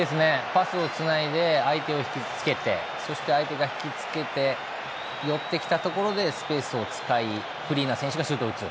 パスをつないで相手をひきつけてそして相手が引きつけて寄ってきたところでスペースを使いフリーな選手がシュートを打つ。